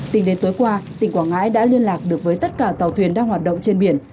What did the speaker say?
tính đến tối qua tỉnh quảng ngãi đã liên lạc được với tất cả tàu thuyền đang hoạt động trên biển